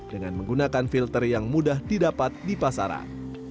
dengan menggunakan filter yang mudah didapat di pasaran